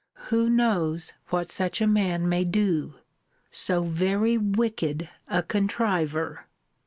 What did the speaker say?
Who knows what such a man may do? So very wicked a contriver!